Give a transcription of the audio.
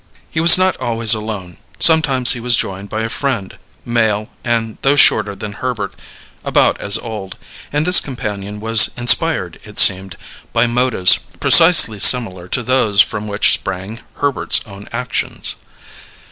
He was not always alone; sometimes he was joined by a friend, male, and, though shorter than Herbert, about as old; and this companion was inspired, it seemed, by motives precisely similar to those from which sprang Herbert's own actions.